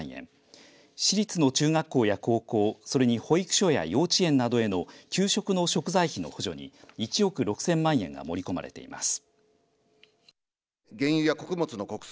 市立の中学校や高校それに保育所や幼稚園などへの給食の食材費の補助に１億６０００万円が盛り込まれています。